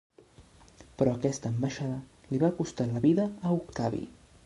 Però aquesta ambaixada li va costar la vida a Octavi.